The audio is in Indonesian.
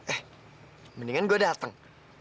eh mendingan gue dateng